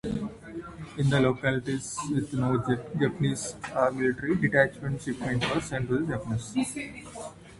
In localities with no Japanese military detachments, shipments were sent to Japanese consulates.